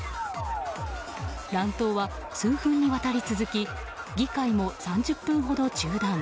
乱闘は数分にわたり続き議会も３０分ほど中断。